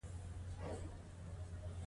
په هغوی باندې به یې په ګډه کار کاوه